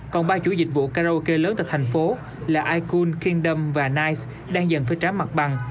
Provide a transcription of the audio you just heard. còn ba chủ dịch vụ karaoke lớn tại thành phố là ikun kingdom và nice đang dần phơi trái mặt bằng